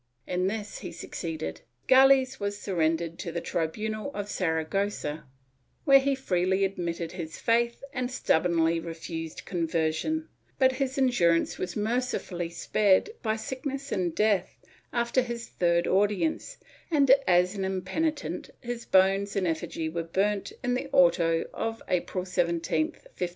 In this he succeeded; Gales was surrendered to the tribunal of Saragossa, where he freely admitted his faith and stubbornly refused conver sion, but his endurance was mercifully spared by sickness and death after his third audience and, as an impenitent, his bones and effigy were burnt in the auto of April 17, 1597.